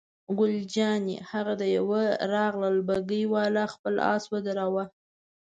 ګل جانې: هغه د یوه راغلل، بګۍ والا خپل آس ودراوه.